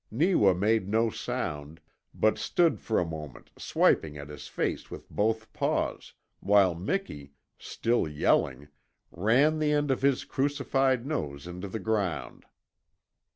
Neewa made no sound, but stood for a moment swiping at his face with both paws, while Miki, still yelling, ran the end of his crucified nose into the ground.